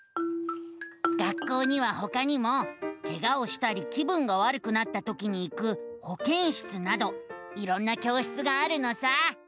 学校にはほかにもケガをしたり気分がわるくなったときに行くほけん室などいろんな教室があるのさ。